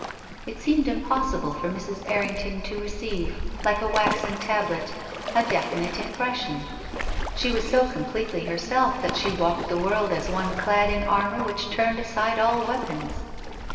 It seemed impossible for Mrs. Errington to receive, like a waxen tablet, a definite impression. She 346 TONGUES OF CONSCIENCE. was so completely herself that she walked the world as one clad in armor which turned aside all weapons.